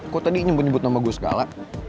kok tadi nyebut nyebut nama gue segala